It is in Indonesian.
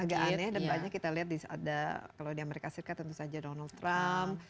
agak aneh dan banyak kita lihat ada kalau di amerika serikat tentu saja donald trump